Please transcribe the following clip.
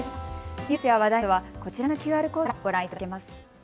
ニュースや話題などはこちらのＱＲコードからもご覧いただけます。